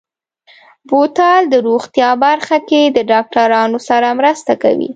بوتل د روغتیا برخه کې د ډاکترانو سره مرسته کوي.